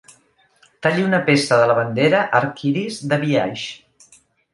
Talli una peça de la bandera arc-iris de biaix.